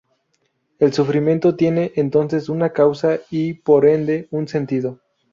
El sufrimiento tiene entonces una causa y, por ende, un sentido.